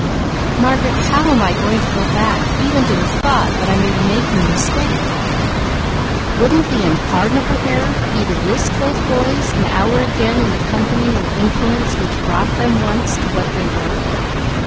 Margaret, how am I going back even to the thought that I may be making a mistake? Wouldn't the unpardonable error be to again risk those boys an hour in the company and influence which brought them once to what they were?"